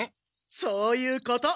そういうこと！